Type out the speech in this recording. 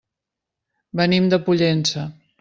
Venim de Pollença.